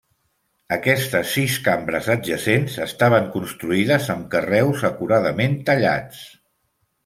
Aquestes sis cambres adjacents estaven construïdes amb carreus acuradament tallats.